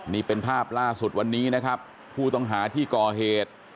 นี่เป็นภาพล่าสุดวันนี้นะครับผู้ต้องหาที่ก่อเหตุ